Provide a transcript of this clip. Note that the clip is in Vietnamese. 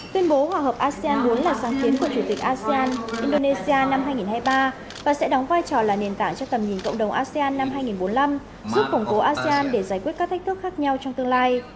tuyên bố hòa hợp asean bốn là sáng kiến của chủ tịch asean indonesia năm hai nghìn hai mươi ba và sẽ đóng vai trò là nền tảng cho tầm nhìn cộng đồng asean năm hai nghìn bốn mươi năm giúp củng cố asean để giải quyết các thách thức khác nhau trong tương lai